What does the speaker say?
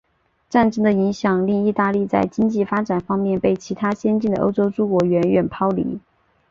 战争的影响令意大利在经济发展方面被其他先进的欧洲诸国远远抛离。